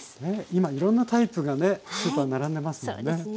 今いろんなタイプがねスーパー並んでますもんね。